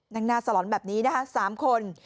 หน้าสลอนแบบนี้นะคะ๓คน